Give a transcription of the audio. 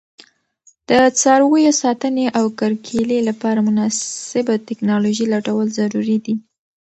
د څاروي ساتنې او کرکیلې لپاره مناسبه تکنالوژي لټول ضروري دي.